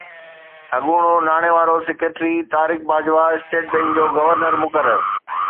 اڳوڻو ناڻي وارو secretary Tariq Bajwa state bank جو گورنر مقرر